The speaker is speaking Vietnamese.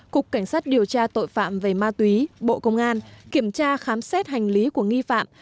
cục cảnh sát điều tra tội phạm về ma túy bộ công an kiểm tra khám xét hành lý của nghi phạm